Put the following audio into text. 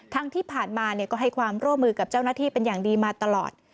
ที่ผ่านมาก็ให้ความร่วมมือกับเจ้าหน้าที่เป็นอย่างดีมาตลอด